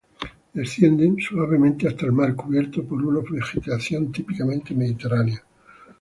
Descienden suavemente hasta el mar, cubiertos por una vegetación típicamente mediterránea.